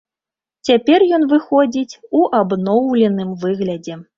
Цяпер ён выходзіць у абноўленым выглядзе.